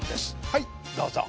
はいどうぞ。